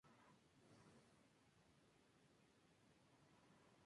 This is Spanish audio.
Class no.